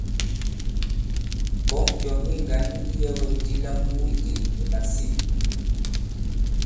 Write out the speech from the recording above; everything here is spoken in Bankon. Ɓɔ̌ŋ njɔ̀m yi ŋgǎn iyɛ̄wɛ̂kdi lam wu ikè nì màsîn.